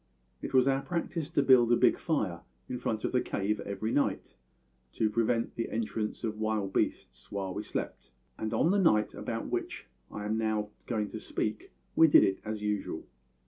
It was our practice to build a big fire in front of the cave every night, to prevent the entrance of wild beasts while we slept, and on the night about which I am now going to speak we did it as usual.